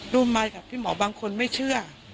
มายกับพี่หมอบางคนไม่เชื่อ